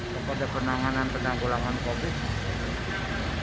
kepada penanganan penanggulangan covid sembilan belas